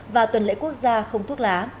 và tuần lễ quốc gia không thuốc lá